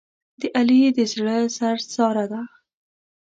د علي د زړه سر ساره ده.